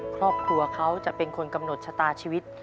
ครอบครัวเขาจะเป็นคนกำหนดชะตาชีวิต